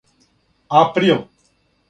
април